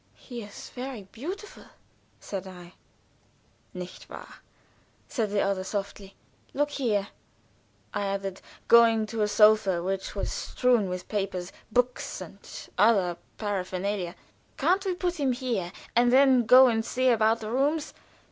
"He is very beautiful," said I. "Nicht wahr?" said the other, softly. "Look here," I added, going to a sofa which was strewn with papers, books, and other paraphernalia; "couldn't we put him here, and then go and see about the rooms?